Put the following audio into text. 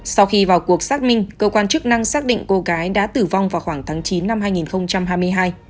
sau khi vào cuộc xác minh cơ quan chức năng xác định cô gái đã tử vong vào khoảng tháng chín năm hai nghìn hai mươi hai